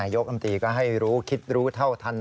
ยกน้ำตีก็ให้รู้คิดรู้เท่าทัน